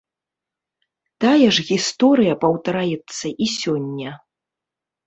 Тая ж гісторыя паўтараецца і сёння.